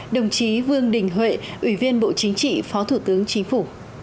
đồng chí vương đình huệ ủy viên bộ chính trị phó thủ tướng chính phủ